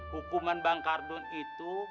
hukuman bang ardun itu